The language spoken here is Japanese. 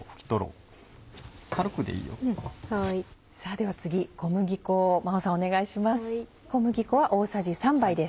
では次小麦粉を真央さんお願いします。